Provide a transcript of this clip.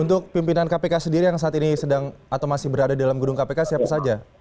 untuk pimpinan kpk sendiri yang saat ini sedang atau masih berada dalam gedung kpk siapa saja